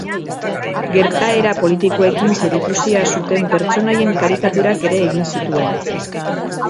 Gertaera politikoekin zerikusia zuten pertsonaien karikaturak ere egin zituen.